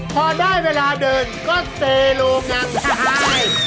พอได้เวลาเดินก็เซลูมนางคาไฮ